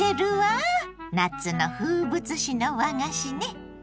夏の風物詩の和菓子ね。